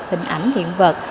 hình ảnh hiện vật